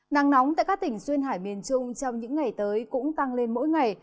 nắng nóng tại các tỉnh duyên hải miền trung trong những ngày tới cũng tăng lên mỗi ngày